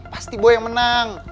pasti boy yang menang